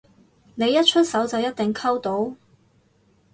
你一出手就一定溝到？